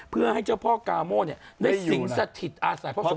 เพื่อให้เจ้าพ่อกาโมเนี่ยไม่สิงสถิตอาศัยพ่อสงสาร